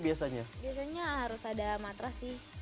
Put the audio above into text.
biasanya harus ada matra sih